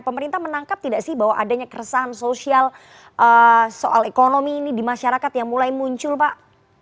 pemerintah menangkap tidak sih bahwa adanya keresahan sosial soal ekonomi ini di masyarakat yang mulai muncul pak